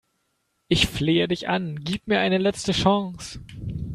Ich flehe dich an, gib mir eine letzte Chance